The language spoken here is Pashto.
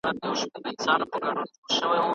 ملکیار هوتک د پښتو لومړنۍ دورې ته منسوب دی.